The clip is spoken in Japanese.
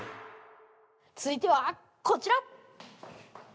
つづいてはこちら！